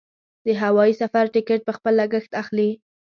د هوايي سفر ټکټ په خپل لګښت اخلي.